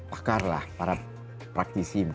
pakar lah para praktisi